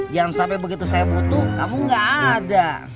jangan sampai begitu saya butuh kamu gak ada